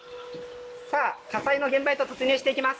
さあ火災の現場へと突入していきます。